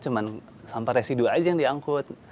cuma sampah residu aja yang diangkut